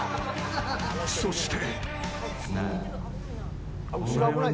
そして。